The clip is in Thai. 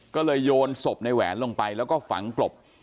ก็เลยโยนศพในแหวนลงไปแล้วก็ฝังกลบ